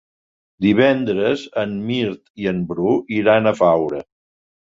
Divendres en Mirt i en Bru iran a Faura.